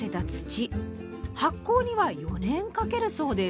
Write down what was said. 発酵には４年かけるそうです。